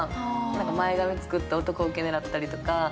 何か前髪作って男受け狙ったりとか。